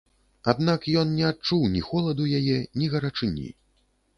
Аднак, ён не адчуў ні холаду яе, ні гарачыні.